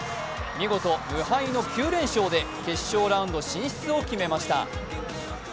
見事、無敗の９連勝で決勝ラウンド進出を決めました。